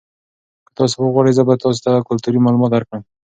که تاسي وغواړئ زه به تاسو ته کلتوري معلومات درکړم.